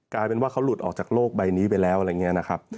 กลายเป็นว่าเขาหลุดออกจากโลกใบนี้ไปแล้วอะไรอย่างนี้นะครับ